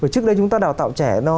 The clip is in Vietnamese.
trước đây chúng ta đào tạo trẻ